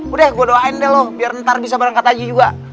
udah gua doain deh lu biar ntar bisa berangkat haji juga